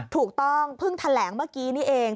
ถูกต้องเพิ่งแถลงเมื่อกี้นี่เอง